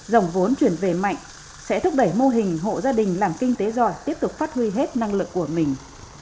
dòng vốn chuyển về mạnh sẽ thúc đẩy mô hình hộ gia đình làm kinh tế giỏi tiếp tục phát huy hết năng lực của mình